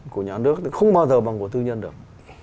của nhà nước thì không bao giờ bằng của tư nhân được